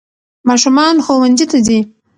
ماشومان ښونځي ته ځي